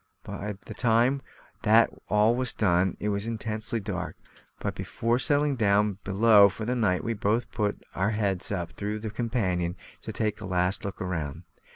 By the time that all was done it was intensely dark; but, before settling down below for the night, we both put our heads up through the companion to take a last look round.